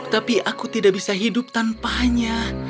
tapi aku tidak bisa hidup tanpanya